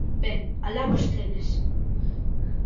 Ben, ¡alá vostedes!